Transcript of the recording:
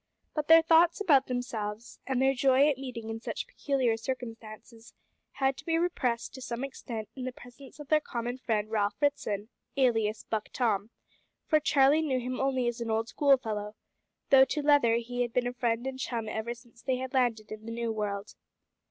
But their thoughts about themselves, and their joy at meeting in such peculiar circumstances, had to be repressed to some extent in the presence of their common friend Ralph Ritson alias Buck Tom for Charlie knew him only as an old school fellow, though to Leather he had been a friend and chum ever since they had landed in the New World.